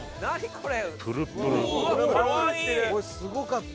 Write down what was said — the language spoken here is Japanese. これすごかった。